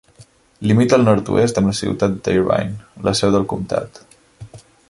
Limita al nord-oest amb la ciutat d'Irvine, la seu del comtat.